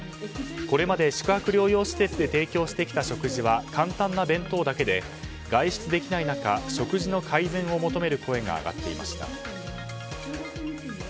これまで宿泊療養施設で提供してきた食事は簡単な弁当だけで外出できない中、食事の改善を求める声が上がっていました。